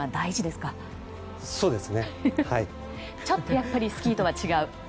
ちょっとやっぱりスキーとは違う？